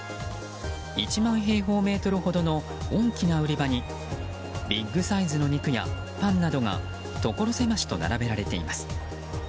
１万平方メートルほどの大きな売り場にビッグサイズの肉やパンなどがところ狭しと並べられています。